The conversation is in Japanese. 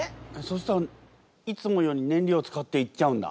そしたらいつもより燃料使って行っちゃうんだ。